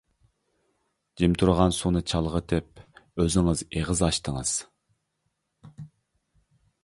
جىم تۇرغان سۇنى چالغىتىپ ئۆزىڭىز ئېغىز ئاچتىڭىز.